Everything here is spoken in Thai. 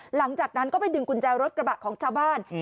หลังจากนั้นก็ไปดึงกุญแจรถกระบะของชาวบ้าน